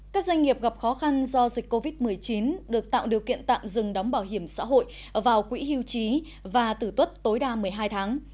các doanh nghiệp gặp khó khăn do dịch covid một mươi chín được tạo điều kiện tạm dừng đóng bảo hiểm xã hội vào quỹ hưu trí và tử tuất tối đa một mươi hai tháng